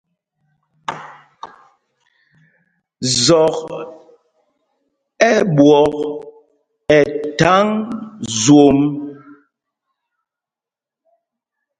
Zɔk ɛ ɓwɔ̂k ɛ tháŋ zwôm.